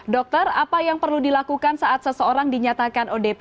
dokter apa yang perlu dilakukan saat seseorang dinyatakan odp